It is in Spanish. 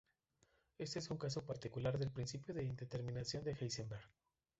Este es un caso particular del principio de indeterminación de Heisenberg.